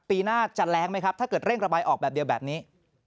ปีหน้าจะแรงไหมครับถ้าเกิดเร่งระบายออกแบบเดียวแบบนี้